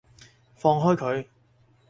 放開佢！